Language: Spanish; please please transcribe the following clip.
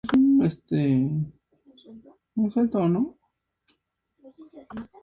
Habría cazado ornitópodos como "Hypsilophodon" e "Iguanodon".